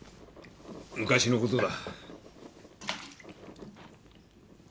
昔のことだ。